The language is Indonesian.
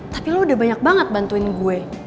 tapi lo udah banyak banget bantuin gue